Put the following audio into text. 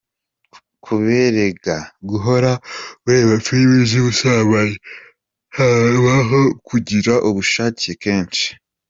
Kubera guhora ureba filimi z’ubusambanyi, habaho kugira ubushake kenshi .